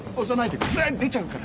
出ちゃうから。